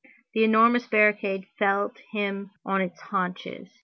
The enormous barricade felt him on its haunches.